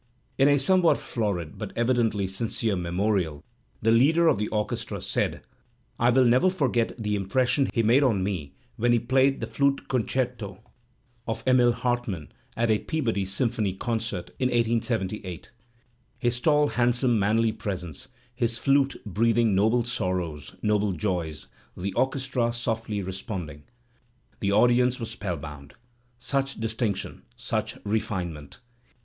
In a somewhat florid but evidently sincere memorial the leader of the orchestra said: "I will never forget the impression he made on me when he played the flute concerto Digitized by Google 312 THE SPIRIT OF AMERICAN LITERATURE of Emil Hartmann at a Peabody symphony concert in 1878: his tall, handsome, manly presence, his flute breathing noble sorrows, noble joys, the orchestra softly responding. The audience was spellbound. Such distinction, such refinement!